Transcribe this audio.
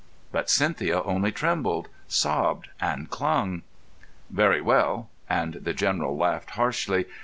But Cynthia only trembled, sobbed, and clung. "Very well," and the General laughed harshly.